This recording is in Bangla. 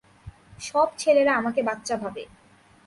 সব ছেলেরা আমাকে বাচ্চা ভাবে।